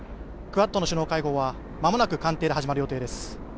クアッドの首脳会合はまもなく官邸で始まる予定です。